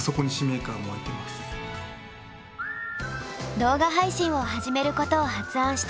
動画配信を始めることを発案したのはカネさん。